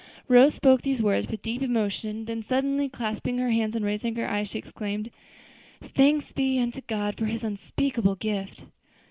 Rose spoke these words with deep emotion, then suddenly clasping her hands and raising her eyes, she exclaimed, "'Thanks be unto God for His unspeakable gift!'"